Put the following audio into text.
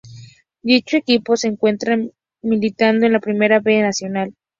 Dicho equipo se encuentra militando en la Primera B Nacional.